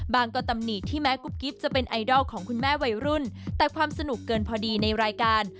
ก็ตำหนิที่แม้กุ๊บกิ๊บจะเป็นไอดอลของคุณแม่วัยรุ่นแต่ความสนุกเกินพอดีในรายการ